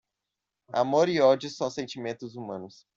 Amor e ódio são sentimentos humanos.